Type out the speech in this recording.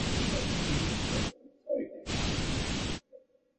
তবে আমরা এবারও সংগঠনের স্বার্থে আলী আশরাফ স্যারকে সভাপতি পদে দেখতে চাই।